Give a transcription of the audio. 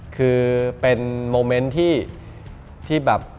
คือเป็นโมเมนต์ที่แบบ